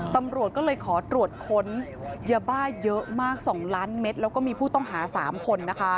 ตำรวจก็เลยขอตรวจค้นยาบ้าเยอะมาก๒ล้านเม็ดแล้วก็มีผู้ต้องหา๓คนนะคะ